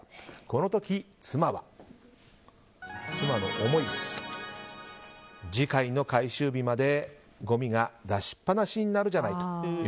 この時、妻は次回の回収日まで、ごみが出しっぱなしになるじゃないと。